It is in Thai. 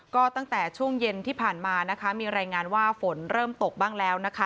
ก็ตั้งแต่ช่วงเย็นที่ผ่านมานะคะมีรายงานว่าฝนเริ่มตกบ้างแล้วนะคะ